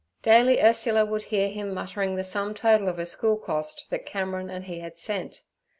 Daily Ursula would hear him muttering the sum total of her school cost that Cameron and he had sent.